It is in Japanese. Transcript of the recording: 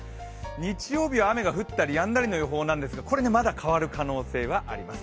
日曜日は降ったりやんだりの予報ですがこれ、まだ変わる可能性があります